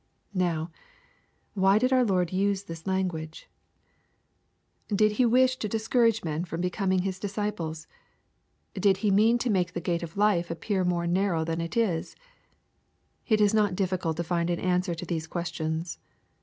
Now, why did our Lord use this language ? Did He LUKE, CHAP. XIV. 169 wish to discourage men from becoming His disciples ? Did He mean to make the gate of life appear more nar row than it is ? It is not difficult to find an answer to these questions.